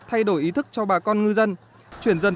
thay đổi ý thức cho bà con ngư dân